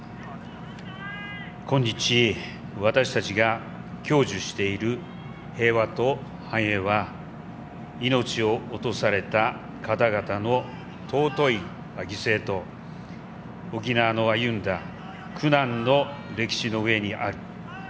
今日、私たちが享受している平和と繁栄は命を落とされた方々の尊い犠牲と沖縄の歩んだ苦難の歴史の上にある。